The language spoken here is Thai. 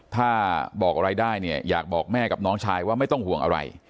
ถ้าบอกอะไรได้เนี่ยอยากบอกแม่กับน้องชายว่าไม่ต้องห่วงอะไร